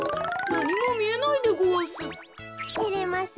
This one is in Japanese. なにもみえないでごわす。